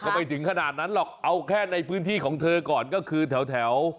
ไม่ถึงขนาดนั้นหรอกเอาแค่ในพื้นที่ของเธอก่อนก็คือแถว